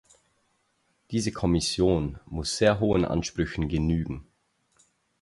Diese Kommission muss sehr hohen Ansprüchen genügen.